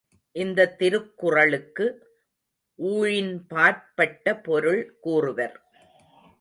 இந்தத் திருக்குறளுக்கு ஊழின்பாற் பட்ட பொருள் கூறுவர்.